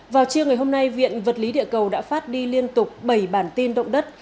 vào trưa ngày hôm nay viện vật lý địa cầu đã phát đi liên tục bảy bản tin động đất